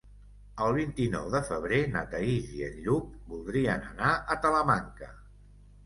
El vint-i-nou de febrer na Thaís i en Lluc voldrien anar a Talamanca.